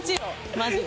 マジで。